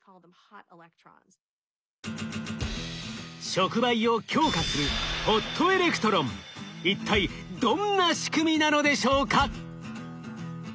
触媒を強化する一体どんな仕組みなのでしょうか？